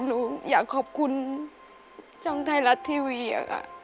หนูอยากขอบคุณช่องไทยรัฐทีวี